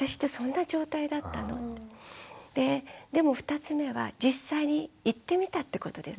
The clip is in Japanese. ででも２つ目は実際に行ってみたってことです。